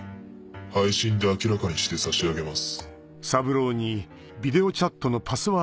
配信で明らかにして差し上げます。